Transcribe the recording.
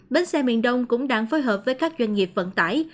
bến xe miền đông cũng đang phối hợp với các doanh nghiệp vận tải